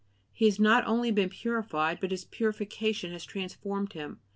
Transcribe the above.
He has not only been purified, but his purification has transformed him.